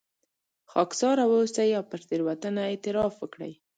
خاکساره واوسئ او پر تېروتنه اعتراف وکړئ.